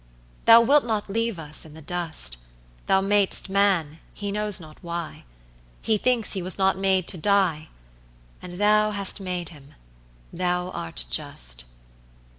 Thou wilt not leave us in the dust: Thou madest man, he knows not why, He thinks he was not made to die; And thou hast made him: thou art just.